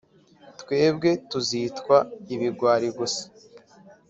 twebwe tuzitwa ibigwari gusa